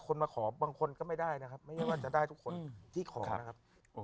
คนมาขอบางคนก็ไม่ได้นะครับ